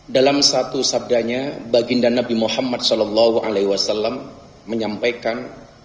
dalam satu sabdanya baginda nabi muhammad saw menyampaikan